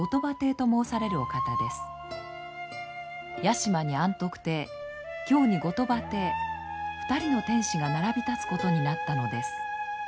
屋島に安徳帝京に後鳥羽帝２人の天子が並び立つことになったのです。